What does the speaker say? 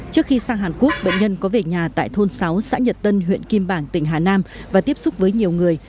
trước khi sang hàn quốc bệnh nhân có về nhà tại thôn sáu xã nhật tân huyện kim bảng tỉnh hà nam và tiếp xúc với nhiều người